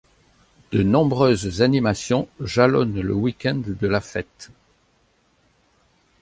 De nombreuses animations jalonnent le week-end de la fête.